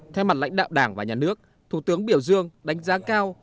theo mặt lãnh đạo đảng và nhà nước thủ tướng biểu dương đánh giá cao